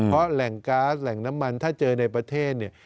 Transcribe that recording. เพราะแหล่งก๊าซแหล่งน้ำมันถ้าเจอในประเทศเนี่ย